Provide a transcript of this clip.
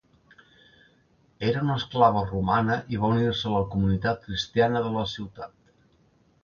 Era una esclava romana i va unir-se a la comunitat cristiana de la ciutat.